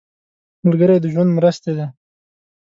ملګری د ژوند مرستې دی